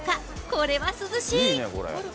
これは涼しい。